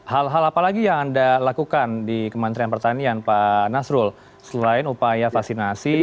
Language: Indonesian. hal hal apa lagi yang anda lakukan di kementerian pertanian pak nasrul selain upaya vaksinasi